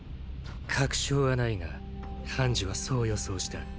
確証は無いがハンジはそう予想した。